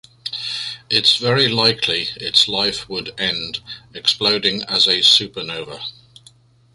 It’s very likely its life would end exploding as a supernova.